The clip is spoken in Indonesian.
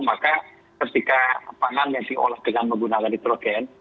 maka ketika pangan yang diolah dengan menggunakan nitrogen